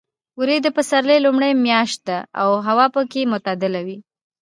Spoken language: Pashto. وری د پسرلي لومړۍ میاشت ده او هوا پکې معتدله وي.